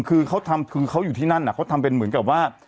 คือเค้าทำคือเค้าอยู่ที่นั่นอ่ะเค้าทำมือนกับว่า